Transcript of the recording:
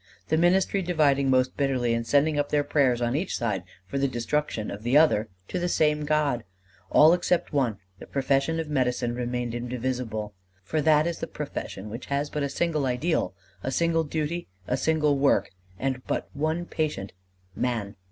The ministry dividing most bitterly and sending up their prayers on each side for the destruction of the other to the same God. All except one: the profession of medicine remained indivisible. For that is the profession which has but a single ideal, a single duty, a single work, and but one patient Man."